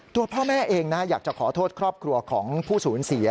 ตัวพ่อแม่เองอยากจะขอโทษครอบครัวของผู้สูญเสีย